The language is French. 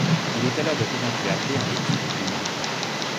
Il est alors de plus en plus appelé en équipe une.